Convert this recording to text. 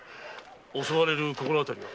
襲われる心当たりは？